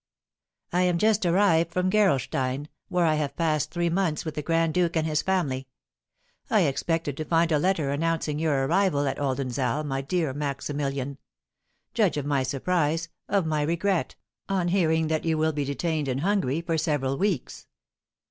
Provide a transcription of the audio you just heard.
I am just arrived from Gerolstein, where I have passed three months with the grand duke and his family. I expected to find a letter announcing your arrival at Oldenzaal, my dear Maximilian. Judge of my surprise of my regret, on hearing that you will be detained in Hungary for several weeks.